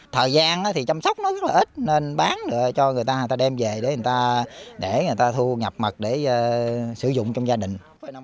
thời gian thì chăm sóc nó rất là ít nên bán cho người ta đem về để người ta thu nhập mật để sử dụng trong gia đình